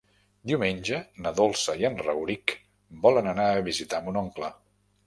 Diumenge na Dolça i en Rauric volen anar a visitar mon oncle.